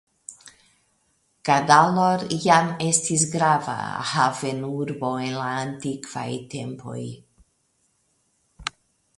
Kaddalor jam estis grava havenurbo en la antikvaj tempoj.